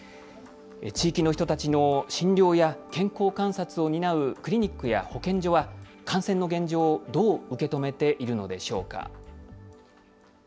地域の人たちの診療や健康観察を担うクリニックや保健所は感染の現状をどう受け止めているのでしょうか。